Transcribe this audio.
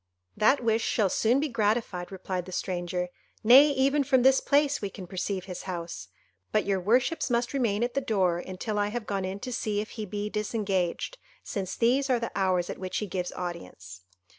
"That wish shall soon be gratified," replied the stranger, "nay even from this place we can perceive his house: but your worships must remain at the door until I have gone in to see if he be disengaged, since these are the hours at which he gives audience."